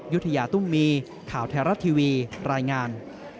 ยุธยาตุ้มมีข่าวไทยรัฐทีวีรายงาน